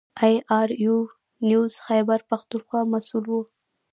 د اې ار یو نیوز خیبر پښتونخوا مسوول و.